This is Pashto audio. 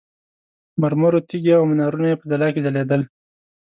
مرمرو تیږې او منارونه یې په ځلا کې ځلېدل.